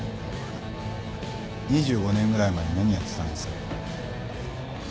２５年ぐらい前に何やってたんですか？